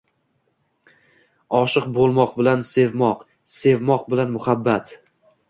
“Oshiq bo’lmoq” bilan ”Sevmoq”, “Sevmoq” bilan “Muhabbat”